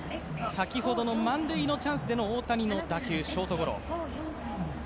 先ほどの満塁のチャンスでの大谷の打球、ショートゴロ。